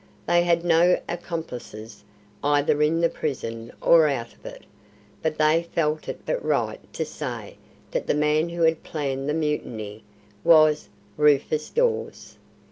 They had no accomplices either in the prison or out of it, but they felt it but right to say that the man who had planned the mutiny was Rufus Dawes."